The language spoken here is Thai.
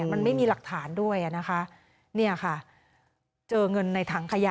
มันไม่มีหลักฐานด้วยนี่ค่ะเจอเงินในถังขยะ